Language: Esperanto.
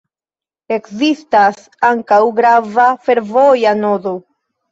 Ekzistas ankaŭ grava fervoja nodo.